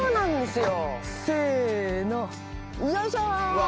よいしょ。